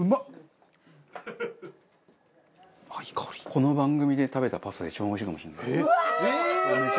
この番組で食べたパスタで一番おいしいかもしれない。